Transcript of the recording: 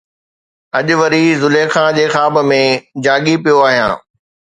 اڄ وري زليخا جي خواب ۾ جاڳي پيو آهيان